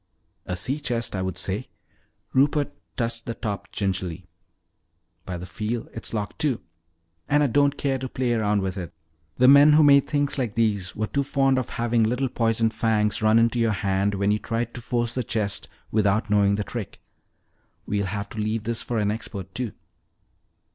"A sea chest, I would say." Rupert touched the top gingerly. "By the feel, it's locked too. And I don't care to play around with it. The men who made things like these were too fond of having little poisoned fangs run into your hand when you tried to force the chest without knowing the trick. We'll have to leave this for an expert, too."